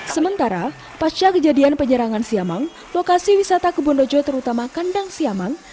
sementara pasca kejadian penyerangan siamang lokasi wisata kebun dojo terutama kandang siamang